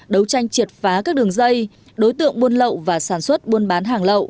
đấu tranh triệt phá các đường dây đối tượng buôn lậu và sản xuất buôn bán hàng lậu